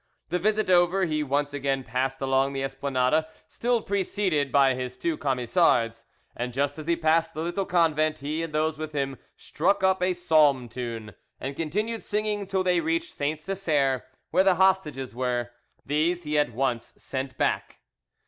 The visit over, he once again passed along the Esplanade, still preceded by his two Camisards, and just as he passed the Little Convent he and those with him struck up a psalm tune, and continued singing till they reached Saint Cesaire, where the hostages were. These he at once sent back.